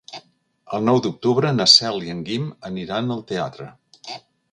El nou d'octubre na Cel i en Guim aniran al teatre.